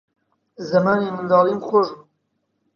زەمانی منداڵیم خۆش بوو